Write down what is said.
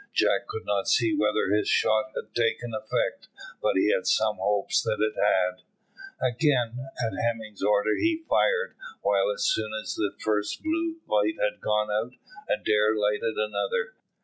Jack could not see whether his shot had taken effect, but he had some hopes that it had. Again, at Hemming's order, he fired, while, as soon as the first blue light had gone out, Adair lighted another.